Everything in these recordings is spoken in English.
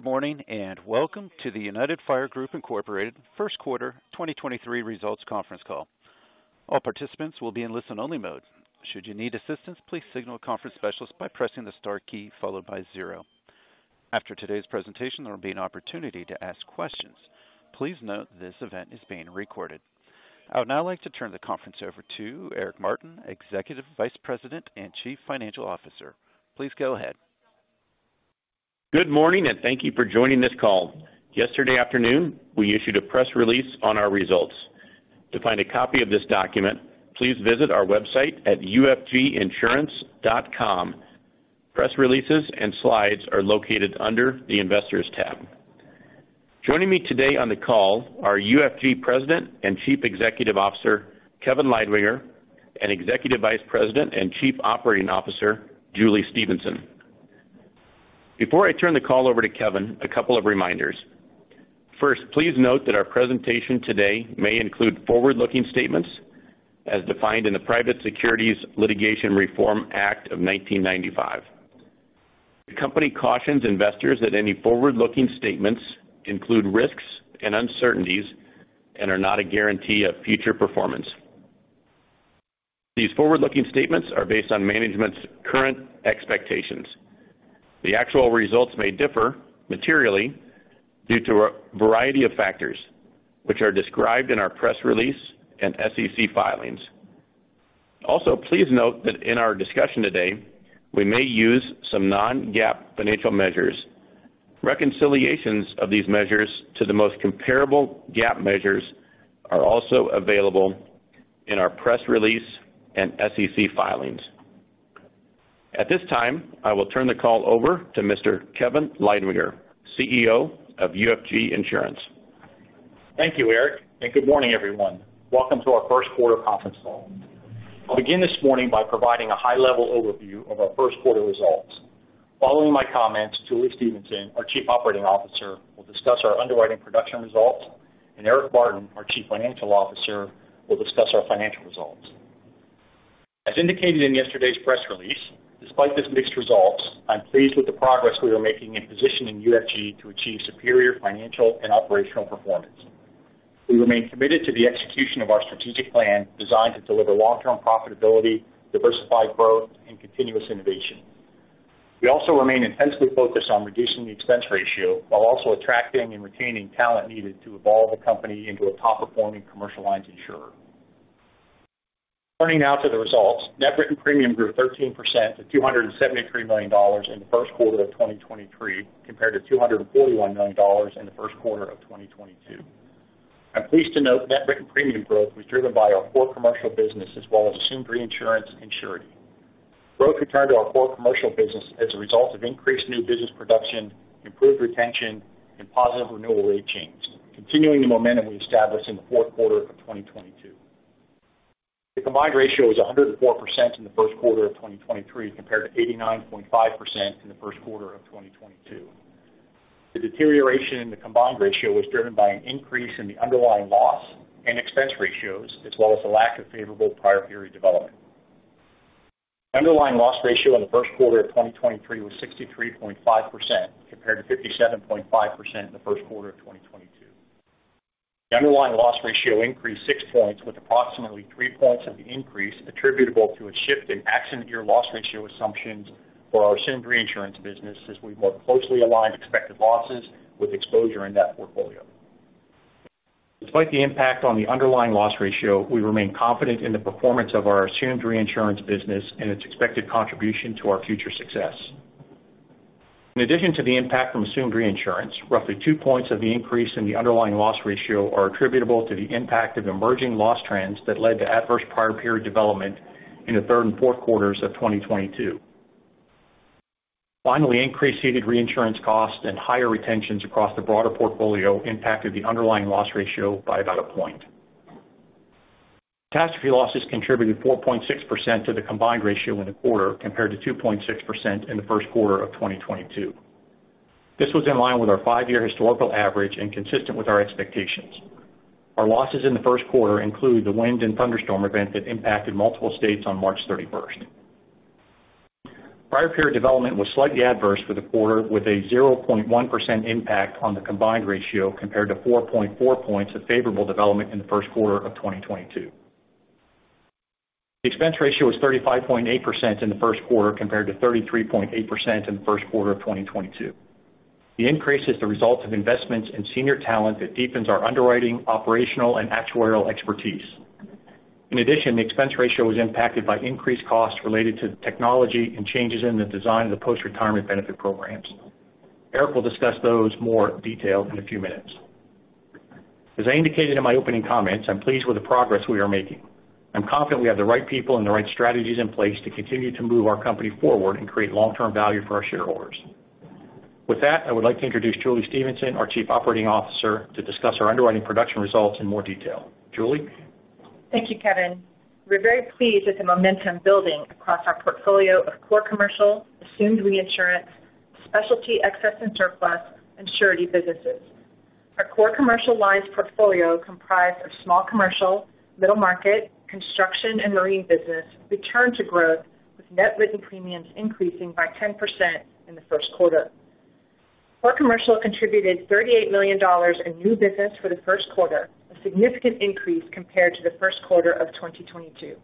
Good morning, welcome to the United Fire Group, Inc. First Quarter 2023 Results Conference Call. All participants will be in listen-only mode. Should you need assistance, please signal a conference specialist by pressing the star key followed by zero. After today's presentation, there will be an opportunity to ask questions. Please note this event is being recorded. I would now like to turn the conference over to Eric Martin, Executive Vice President and Chief Financial Officer. Please go ahead. Good morning, and thank you for joining this call. Yesterday afternoon, we issued a press release on our results. To find a copy of this document, please visit our website at ufginsurance.com. Press releases and slides are located under the Investors tab. Joining me today on the call are UFG President and Chief Executive Officer, Kevin Leidwinger, and Executive Vice President and Chief Operating Officer, Julie Stephenson. Before I turn the call over to Kevin, a couple of reminders. First, please note that our presentation today may include forward-looking statements as defined in the Private Securities Litigation Reform Act of 1995. The company cautions investors that any forward-looking statements include risks and uncertainties and are not a guarantee of future performance. These forward-looking statements are based on management's current expectations. The actual results may differ materially due to a variety of factors, which are described in our press release and SEC filings. Also, please note that in our discussion today, we may use some non-GAAP financial measures. Reconciliations of these measures to the most comparable GAAP measures are also available in our press release and SEC filings. At this time, I will turn the call over to Mr. Kevin Leidwinger, CEO of UFG Insurance. Thank you, Eric. Good morning, everyone. Welcome to our first quarter conference call. I'll begin this morning by providing a high-level overview of our first quarter results. Following my comments, Julie Stephenson, our Chief Operating Officer, will discuss our underwriting production results. Eric Martin, our Chief Financial Officer, will discuss our financial results. As indicated in yesterday's press release, despite this mixed results, I'm pleased with the progress we are making in positioning UFG to achieve superior financial and operational performance. We remain committed to the execution of our strategic plan designed to deliver long-term profitability, diversified growth, and continuous innovation. We also remain intensely focused on reducing the expense ratio while also attracting and retaining talent needed to evolve the company into a top-performing commercial lines insurer. Turning now to the results. Net written premium grew 13% to $273 million in the first quarter of 2023 compared to $241 million in the first quarter of 2022. I'm pleased to note net written premium growth was driven by our core commercial business as well as assumed reinsurance and surety. Growth returned to our core commercial business as a result of increased new business production, improved retention, and positive renewal rate changes, continuing the momentum we established in the fourth quarter of 2022. The combined ratio is 104% in the first quarter of 2023 compared to 89.5% in the first quarter of 2022. The deterioration in the combined ratio was driven by an increase in the underlying loss and expense ratios, as well as the lack of favorable prior-period development. Underlying loss ratio in the first quarter of 2023 was 63.5% compared to 57.5% in the first quarter of 2022. The underlying loss ratio increased six points, with approximately three points of the increase attributable to a shift in accident year loss ratio assumptions for our assumed reinsurance business, as we more closely aligned expected losses with exposure in that portfolio. Despite the impact on the underlying loss ratio, we remain confident in the performance of our assumed reinsurance business and its expected contribution to our future success. In addition to the impact from assumed reinsurance, roughly two points of the increase in the underlying loss ratio are attributable to the impact of emerging loss trends that led to adverse prior-period development in the third and fourth quarters of 2022. Finally, increased ceded reinsurance costs and higher retentions across the broader portfolio impacted the underlying loss ratio by about one point. Catastrophe losses contributed 4.6% to the combined ratio in the quarter, compared to 2.6% in the first quarter of 2022. This was in line with our five-year historical average and consistent with our expectations. Our losses in the first quarter include the wind and thunderstorm event that impacted multiple states on March thirty-first. Prior period development was slightly adverse for the quarter, with a 0.1% impact on the combined ratio compared to 4.4 points of favorable development in the first quarter of 2022. The expense ratio was 35.8% in the first quarter compared to 33.8% in the first quarter of 2022. The increase is the result of investments in senior talent that deepens our underwriting, operational, and actuarial expertise. The expense ratio was impacted by increased costs related to technology and changes in the design of the post-retirement benefit programs. Eric will discuss those more detailed in a few minutes. As I indicated in my opening comments, I'm pleased with the progress we are making. I'm confident we have the right people and the right strategies in place to continue to move our company forward and create long-term value for our shareholders. I would like to introduce Julie Stephenson, our chief operating officer, to discuss our underwriting production results in more detail. Julie? Thank you, Kevin. We're very pleased with the momentum building across our portfolio of core commercial, assumed reinsurance, specialty excess and surplus, and surety businesses. Our core commercial lines portfolio comprised of small commercial, middle market, construction and marine business returned to growth with net written premiums increasing by 10% in the first quarter. Our commercial contributed $38 million in new business for the first quarter, a significant increase compared to the first quarter of 2022.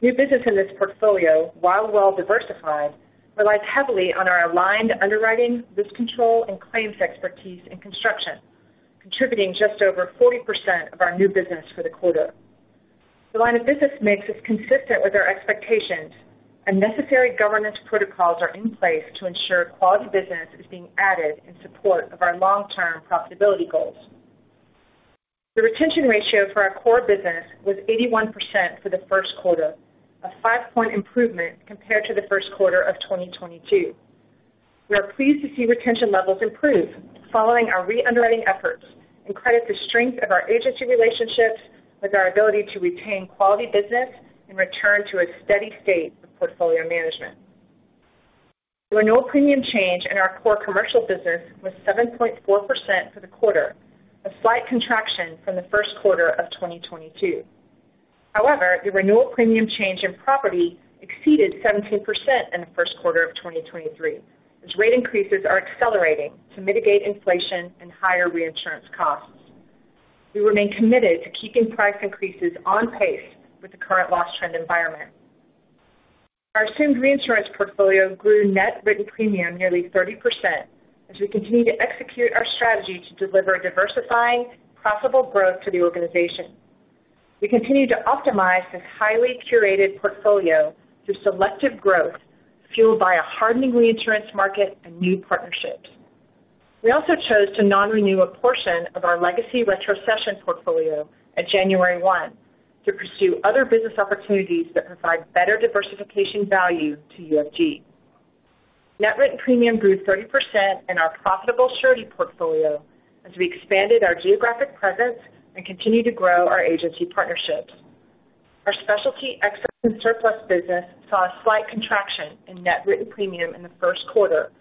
New business in this portfolio, while well diversified, relies heavily on our aligned underwriting, risk control and claims expertise in construction, contributing just over 40% of our new business for the quarter. The line of business mix is consistent with our expectations and necessary governance protocols are in place to ensure quality business is being added in support of our long-term profitability goals. The retention ratio for our core business was 81% for the first quarter, a five-point improvement compared to the first quarter of 2022. We are pleased to see retention levels improve following our re-underwriting efforts and credit the strength of our agency relationships with our ability to retain quality business and return to a steady state of portfolio management. The renewal premium change in our core commercial business was 7.4% for the quarter, a slight contraction from the first quarter of 2022. However, the renewal premium change in property exceeded 17% in the first quarter of 2023, as rate increases are accelerating to mitigate inflation and higher reinsurance costs. We remain committed to keeping price increases on pace with the current loss trend environment. Our assumed reinsurance portfolio grew net written premium nearly 30% as we continue to execute our strategy to deliver diversifying profitable growth to the organization. We continue to optimize this highly curated portfolio through selective growth fueled by a hardening reinsurance market and new partnerships. We also chose to non-renew a portion of our legacy retrocession portfolio at January 1 to pursue other business opportunities that provide better diversification value to UFG. Net written premium grew 30% in our profitable surety portfolio as we expanded our geographic presence and continued to grow our agency partnerships. Our specialty excess and surplus business saw a slight contraction in net written premium in the first quarter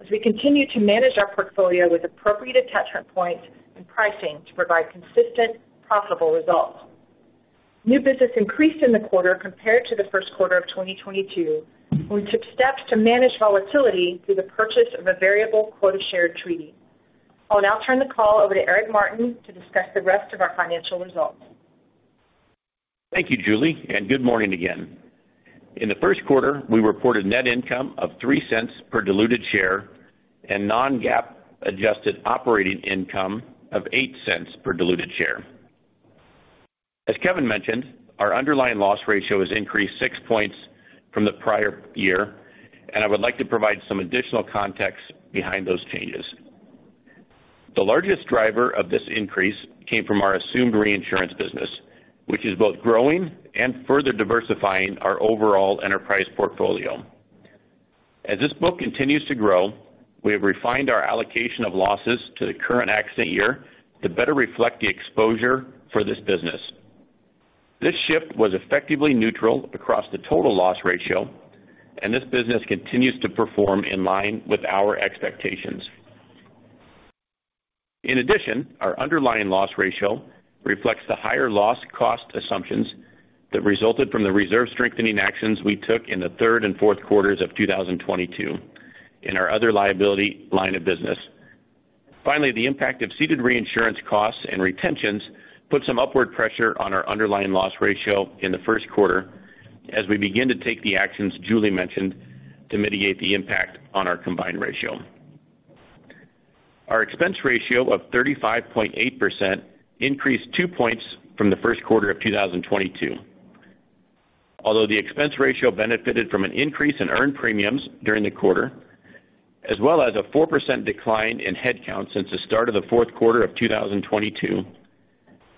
as we continued to manage our portfolio with appropriate attachment points and pricing to provide consistent, profitable results. New business increased in the quarter compared to the first quarter of 2022, when we took steps to manage volatility through the purchase of a variable quota share treaty. I'll now turn the call over to Eric Martin to discuss the rest of our financial results. Thank you, Julie. Good morning again. In the first quarter, we reported net income of $0.03 per diluted share and non-GAAP adjusted operating income of $0.08 per diluted share. As Kevin mentioned, our underlying loss ratio has increased six points from the prior year. I would like to provide some additional context behind those changes. The largest driver of this increase came from our assumed reinsurance business, which is both growing and further diversifying our overall enterprise portfolio. As this book continues to grow, we have refined our allocation of losses to the current accident year to better reflect the exposure for this business. This shift was effectively neutral across the total loss ratio. This business continues to perform in line with our expectations. Our underlying loss ratio reflects the higher loss cost assumptions that resulted from the reserve strengthening actions we took in the third and fourth quarters of 2022 in our other liability line of business. The impact of ceded reinsurance costs and retentions put some upward pressure on our underlying loss ratio in the first quarter as we begin to take the actions Julie mentioned to mitigate the impact on our combined ratio. Our expense ratio of 35.8% increased two points from the first quarter of 2022. Although the expense ratio benefited from an increase in earned premiums during the quarter, as well as a 4% decline in headcount since the start of the fourth quarter of 2022,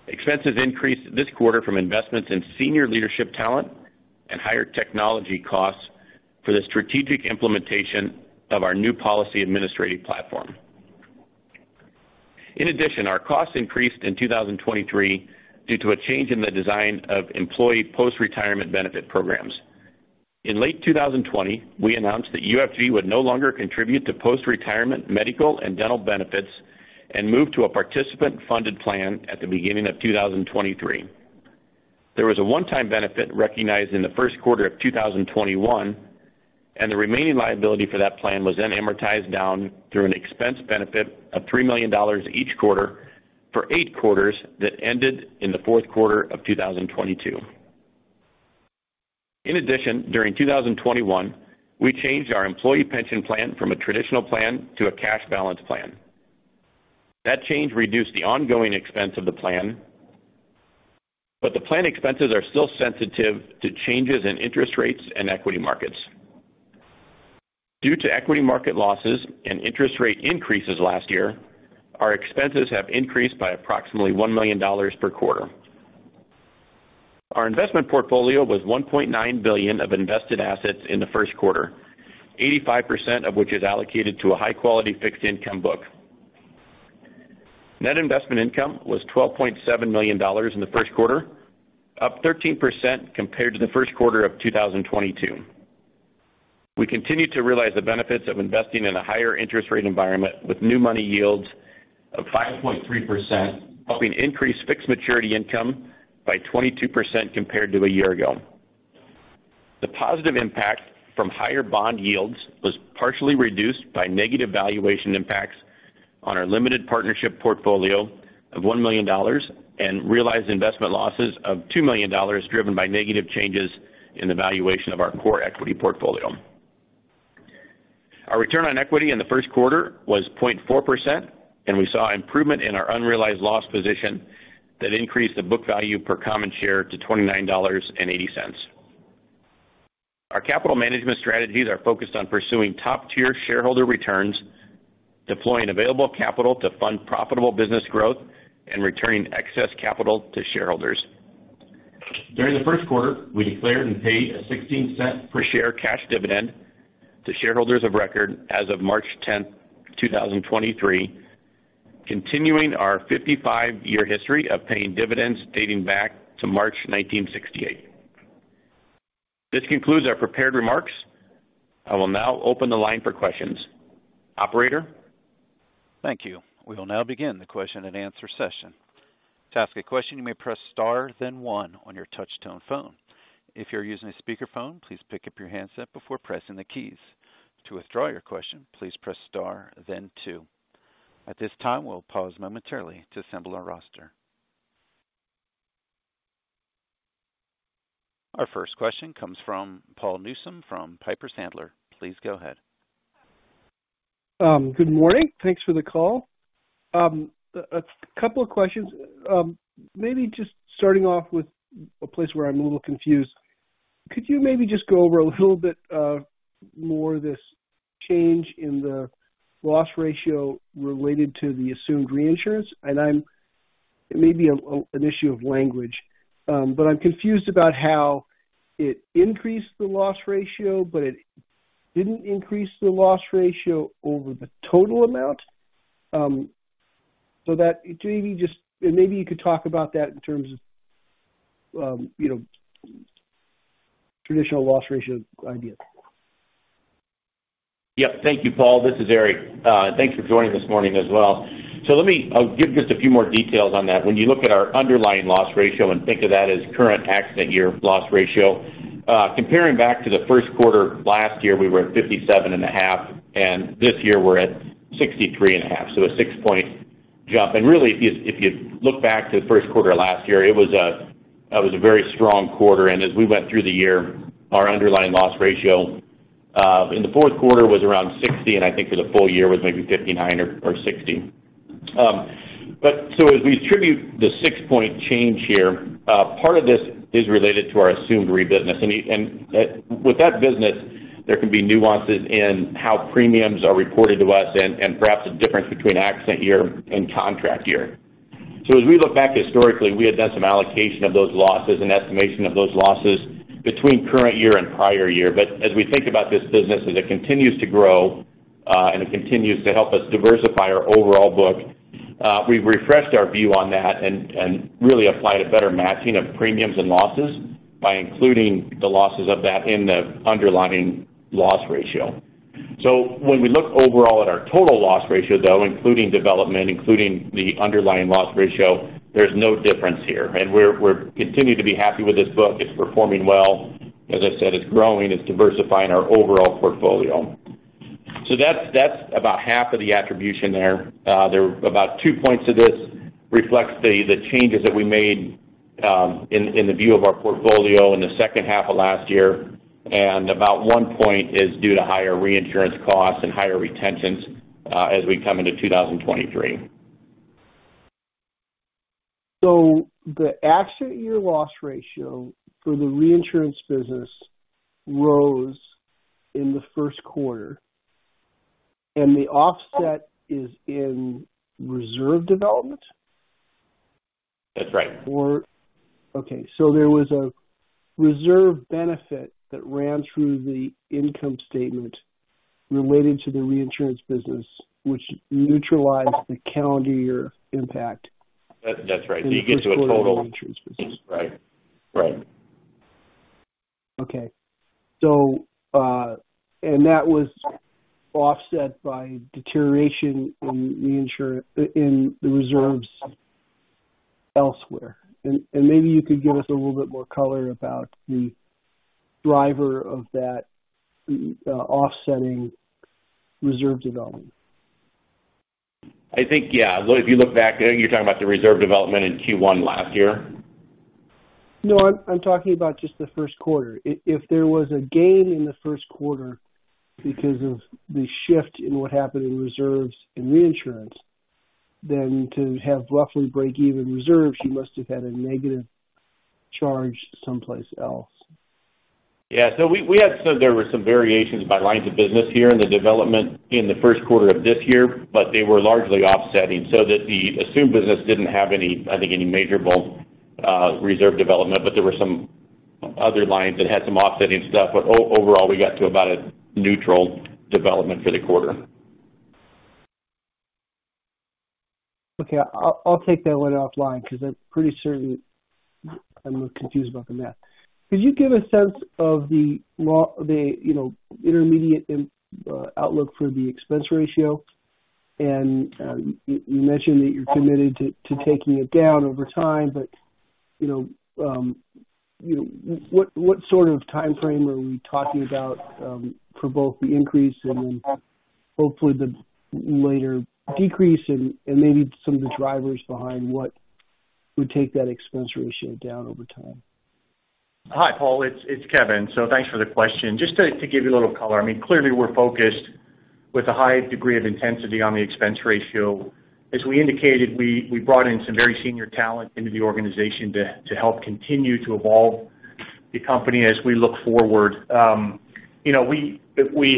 expenses increased this quarter from investments in senior leadership talent and higher technology costs for the strategic implementation of our new policy administrative platform. In addition, our costs increased in 2023 due to a change in the design of employee post-retirement benefit programs. In late 2020, we announced that UFG would no longer contribute to post-retirement medical and dental benefits and move to a participant-funded plan at the beginning of 2023. There was a one-time benefit recognized in the first quarter of 2021, The remaining liability for that plan was then amortized down through an expense benefit of $3 million each quarter for eight quarters that ended in the fourth quarter of 2022. In addition, during 2021, we changed our employee pension plan from a traditional plan to a cash balance plan. That change reduced the ongoing expense of the plan, but the plan expenses are still sensitive to changes in interest rates and equity markets. Due to equity market losses and interest rate increases last year, our expenses have increased by approximately $1 million per quarter. Our investment portfolio was $1.9 billion of invested assets in the first quarter, 85% of which is allocated to a high-quality fixed income book. Net investment income was $12.7 million in the first quarter, up 13% compared to the first quarter of 2022. We continued to realize the benefits of investing in a higher interest rate environment with new money yields of 5.3%, helping increase fixed maturity income by 22% compared to a year ago. The positive impact from higher bond yields was partially reduced by negative valuation impacts on our limited partnership portfolio of $1 million and realized investment losses of $2 million, driven by negative changes in the valuation of our core equity portfolio. Our return on equity in the first quarter was 0.4%, we saw improvement in our unrealized loss position that increased the book value per common share to $29.80. Our capital management strategies are focused on pursuing top-tier shareholder returns, deploying available capital to fund profitable business growth, and returning excess capital to shareholders. During the first quarter, we declared and paid a $0.16 per share cash dividend to shareholders of record as of March 10th, 2023, continuing our 55-year history of paying dividends dating back to March 1968. This concludes our prepared remarks. I will now open the line for questions. Operator. Thank you. We will now begin the question and answer session. To ask a question, you may press star then one on your touch tone phone. If you're using a speakerphone, please pick up your handset before pressing the keys. To withdraw your question, please press star then two. At this time, we'll pause momentarily to assemble our roster. Our first question comes from Paul Newsome from Piper Sandler. Please go ahead. Good morning. Thanks for the call. A couple of questions. Maybe just starting off with a place where I'm a little confused. Could you maybe just go over a little bit more of this change in the loss ratio related to the assumed reinsurance? It may be an issue of language, but I'm confused about how it increased the loss ratio, but it didn't increase the loss ratio over the total amount. That and maybe you could talk about that in terms of, you know, traditional loss ratio idea. Yep. Thank you, Paul. This is Eric. Thanks for joining this morning as well. I'll give just a few more details on that. When you look at our underlying loss ratio and think of that as current accident year loss ratio, comparing back to the first quarter last year, we were at 57.5%, and this year we're at 63.5%. A six-point jump. Really, if you look back to the first quarter last year, it was a very strong quarter. As we went through the year, our underlying loss ratio in the fourth quarter was around 60%, and I think for the full year was maybe 59% or 60%. As we attribute the six-point change here, part of this is related to our assumed re-business. With that business, there can be nuances in how premiums are reported to us and perhaps a difference between accident year and contract year. As we look back historically, we had done some allocation of those losses and estimation of those losses between current year and prior year. As we think about this business, as it continues to grow, and it continues to help us diversify our overall book, we've refreshed our view on that and really applied a better matching of premiums and losses by including the losses of that in the underlying loss ratio. When we look overall at our total loss ratio, though, including development, including the underlying loss ratio, there's no difference here. We're continuing to be happy with this book. It's performing well. As I said, it's growing, it's diversifying our overall portfolio. That's about half of the attribution there. There are about two points of this reflects the changes that we made in the view of our portfolio in the second half of last year. About one point is due to higher reinsurance costs and higher retentions as we come into 2023. The accident year loss ratio for the reinsurance business rose in the first quarter, and the offset is in reserve development? That's right. Okay, there was a reserve benefit that ran through the income statement related to the assumed reinsurance business, which neutralized the calendar year impact. That's right. You get to a total. The first quarter reinsurance business. Right. Right. Okay. That was offset by deterioration in reinsurance, in the reserves elsewhere. Maybe you could give us a little bit more color about the driver of that, offsetting reserve development. I think, yeah. Well, if you look back, I think you're talking about the reserve development in Q1 last year. No, I'm talking about just the first quarter. If there was a gain in the first quarter because of the shift in what happened in reserves and reinsurance, then to have roughly break even reserves, you must have had a negative charge someplace else. Yeah. We had some, there were some variations by lines of business here in the development in the first quarter of this year, but they were largely offsetting so that the assumed business didn't have any, I think, any major bulk reserve development. There were some other lines that had some offsetting stuff. Overall, we got to about a neutral development for the quarter. Okay. I'll take that one offline because I'm pretty certain I'm confused about the math. Could you give a sense of the, you know, intermediate outlook for the expense ratio? You, you mentioned that you're committed to taking it down over time, but, you know, what sort of timeframe are we talking about for both the increase and then hopefully the later decrease and maybe some of the drivers behind what would take that expense ratio down over time? Hi, Paul. It's Kevin. Thanks for the question. Just to give you a little color, I mean, clearly we're focused with a high degree of intensity on the expense ratio. As we indicated, we brought in some very senior talent into the organization to help continue to evolve the company as we look forward. You know, we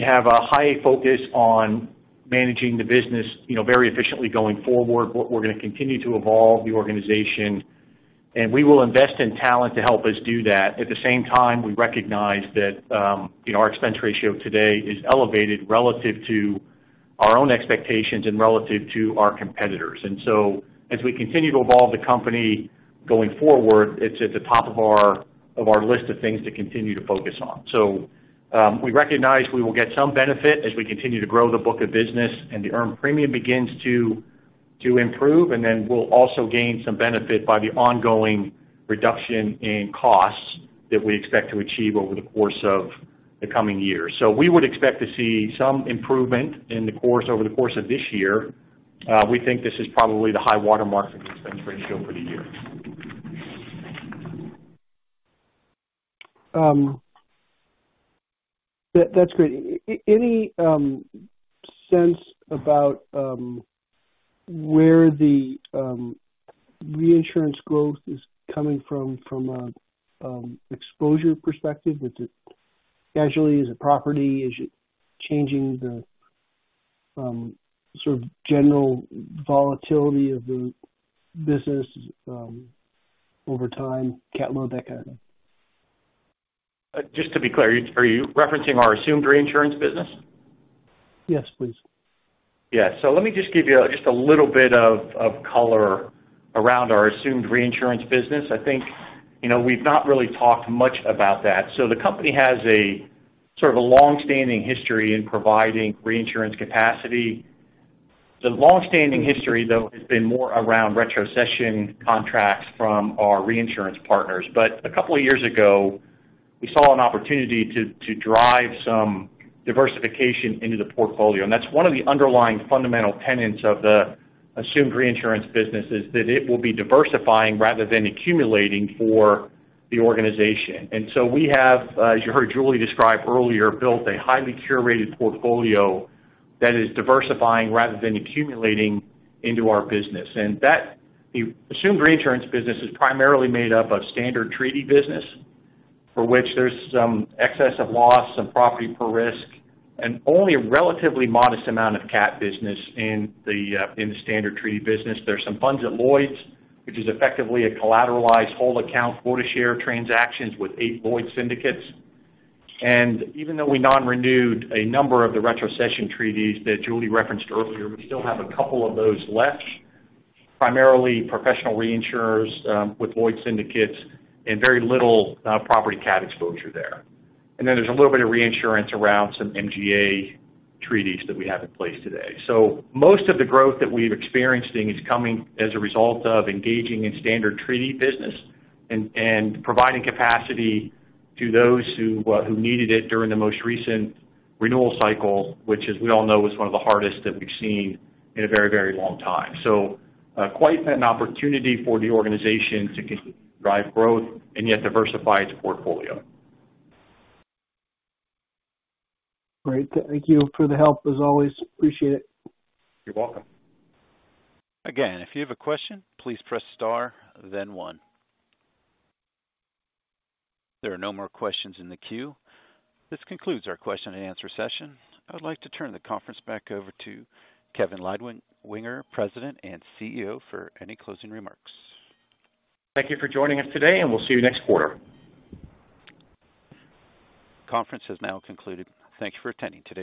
have a high focus on managing the business, you know, very efficiently going forward. We're gonna continue to evolve the organization, and we will invest in talent to help us do that. At the same time, we recognize that, you know, our expense ratio today is elevated relative to our own expectations and relative to our competitors. As we continue to evolve the company going forward, it's at the top of our, of our list of things to continue to focus on. We recognize we will get some benefit as we continue to grow the book of business and the earned premium begins to improve. We'll also gain some benefit by the ongoing reduction in costs that we expect to achieve over the course of the coming years. We would expect to see some improvement over the course of this year. We think this is probably the high-water mark for the expense ratio for the year. That, that's great. Any sense about where the reinsurance growth is coming from from a exposure perspective? Is it casualty? Is it property? Is it changing the sort of general volatility of the business over time, cat load, that kind of thing? Just to be clear, are you referencing our assumed reinsurance business? Yes, please. Yeah. Let me just give you just a little bit of color around our assumed reinsurance business. I think, you know, we've not really talked much about that. The company has a sort of a long-standing history in providing reinsurance capacity. The long-standing history, though, has been more around retrocession contracts from our reinsurance partners. A couple of years ago, we saw an opportunity to drive some diversification into the portfolio. That's one of the underlying fundamental tenets of the assumed reinsurance business, is that it will be diversifying rather than accumulating for the organization. We have, as you heard Julie describe earlier, built a highly curated portfolio that is diversifying rather than accumulating into our business. The assumed reinsurance business is primarily made up of standard treaty business, for which there's some excess of loss, some property per risk, and only a relatively modest amount of cat business in the in the standard treaty business. There's some funds at Lloyd's, which is effectively a collateralized whole account quota share transactions with eight Lloyd's syndicates. Even though we non-renewed a number of the retrocession treaties that Julie referenced earlier, we still have a couple of those left, primarily professional reinsurers, with Lloyd's syndicates and very little property cat exposure there. There's a little bit of reinsurance around some MGA treaties that we have in place today. Most of the growth that we're experiencing is coming as a result of engaging in standard treaty business and providing capacity to those who needed it during the most recent renewal cycle, which, as we all know, was one of the hardest that we've seen in a very, very long time. Quite an opportunity for the organization to continue to drive growth and yet diversify its portfolio. Great. Thank you for the help as always. Appreciate it. You're welcome. If you have a question, please press star then one. There are no more questions in the queue. This concludes our question and answer session. I would like to turn the conference back over to Kevin Leidwinger, President and CEO, for any closing remarks. Thank you for joining us today, and we'll see you next quarter. Conference has now concluded. Thank you for attending today.